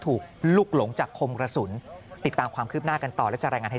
ถูกลุกหลงจากคมกระสุนติดตามความคืบหน้ากันต่อและจะรายงานให้